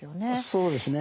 そうですね。